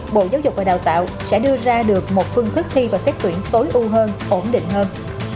bộ giáo dục và đào tạo sẽ đưa ra được một phương thức thi và xét tuyển tối ưu hơn ổn định hơn